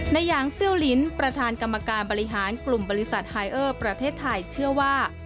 นายังเซี่ยวลิ้นประธานกรรมการบริหารกลุ่มบริษัทไทยเชื่อว่า